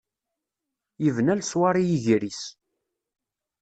Yebna leṣwaṛ i yiger-is.